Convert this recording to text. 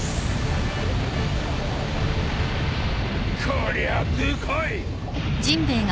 こりゃでかい！